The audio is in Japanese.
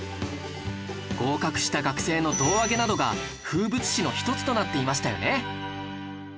合格した学生の胴上げなどが風物詩の一つとなっていましたよね